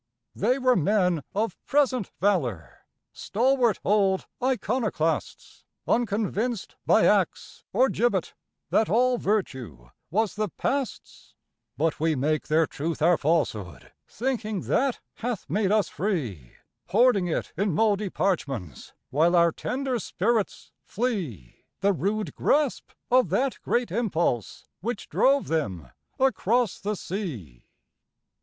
They were men of present valor, stalwart old iconoclasts, Unconvinced by axe or gibbet that all virtue was the Past's; But we make their truth our falsehood, thinking that hath made us free, Hoarding it in mouldy parchments, while our tender spirits flee The rude grasp of that great Impulse which drove them across the sea.